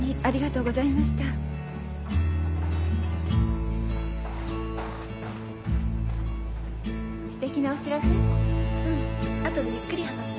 うん後でゆっくり話すね。